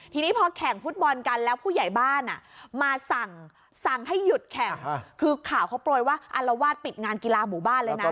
ทีนี้พอแข่งฟุตบอลกันแล้วผู้ใหญ่บ้านมาสั่งให้หยุดแข่งคือข่าวเขาโปรยว่าอารวาสปิดงานกีฬาหมู่บ้านเลยนะ